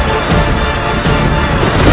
yang ada dengan apa